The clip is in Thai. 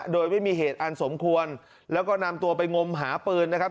โดยไม่มีเหตุอันสมควรแล้วก็นำตัวไปงมหาปืนนะครับ